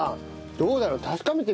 どうだろう。